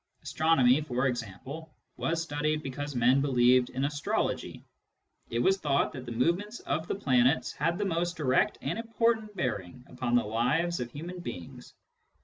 Astronomy, for example, was studied because men be lieved in astrology : it was thought that the movements of the planets had the most direct and important bearing upon the lives of human beings.